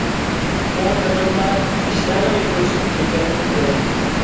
ئۇ بىردىنلا كىشىلەرنىڭ يۈگۈرۈشۈپ يۈرگەنلىكىنى كۆردى.